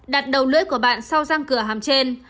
đặt đầu lưỡi của bạn sau răng cửa hàng trên